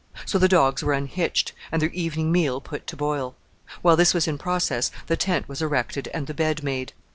So the dogs were unhitched, and their evening meal put to boil. While this was in process the tent was erected and the bed made.